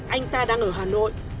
anh ta đang ở hà nội